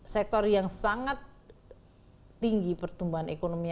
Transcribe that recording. sektor yang sangat tinggi pertumbuhan ekonominya